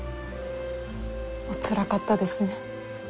おつらかったですね。